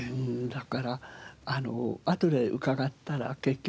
だからあとで伺ったら結局ああいう。